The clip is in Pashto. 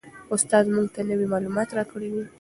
استاد موږ ته نوي معلومات راکړي دي.